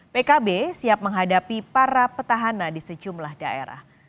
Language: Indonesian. pkb siap menghadapi para petahana di sejumlah daerah